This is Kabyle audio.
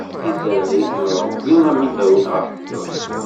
Izreɛ-iten Ṛebbi am ibawen ɣef lluḥ.